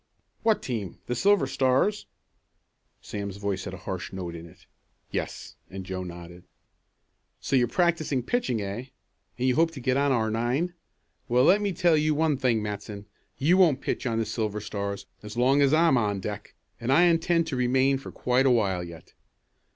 "What team; the Silver Stars?" Sam's voice had a harsh note in it. "Yes." And Joe nodded. "So you're practicing pitching, eh? And you hope to get on our nine. Well let me tell you one thing, Matson; you won't pitch on the Silver Stars as long as I'm on deck, and I intend to remain for quite a while yet.